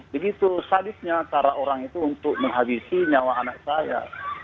begitu sadisnya cara orang itu untuk menghabisi nyawa anak saya